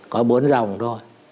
có bốn dòng thôi